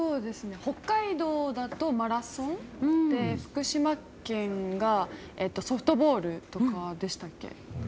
北海道だとマラソンで福島県がソフトボールとかでしたっけ。